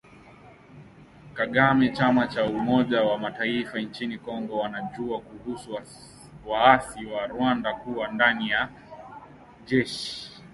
Kagame Chama cha Umoja wa Mataifa inchini Kongo wanajua kuhusu waasi wa Rwanda kuwa ndani ya jeshi la jamuhuri ya kidemokrasia ya Kongo